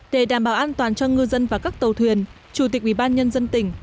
để đảm bảo an toàn cho ngư dân và các tàu thuyền chủ tịch ủy ban nhân dân tỉnh